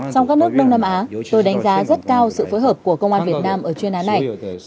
trong các nước đông nam á tôi đánh giá rất cao sự phối hợp của công an việt nam ở chuyên án này